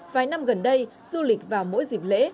vài năm gần đây du lịch vào mỗi dịp lễ